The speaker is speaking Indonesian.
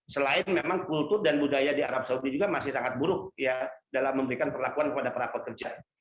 selain memang kultur dan budaya di arab saudi juga masih sangat buruk ya dalam memberikan perlakuan kepada para pekerja